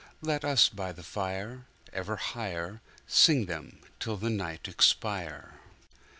Let us by the fire Ever higherSing them till the night expire!